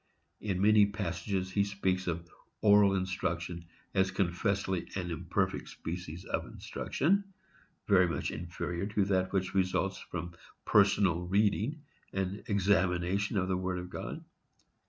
In many passages he speaks of oral instruction as confessedly an imperfect species of instruction, very much inferior to that which results from personal reading and examination of the Word of God.